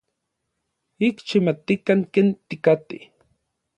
Ik xikmatikan ken tikatej.